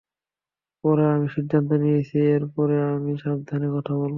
পরে আমি সিদ্ধান্ত নিয়েছি এরপরে আমি সাবধানে কথা বলব।